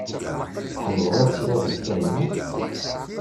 Tḥemmleḍ ad tiliḍ d Kahina?